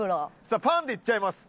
さあパンでいっちゃいます。